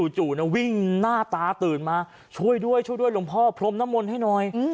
วิ่งหน้าตาตื่นมาช่วยด้วยช่วยด้วยหลวงพ่อพรมน้ำมนต์ให้หน่อย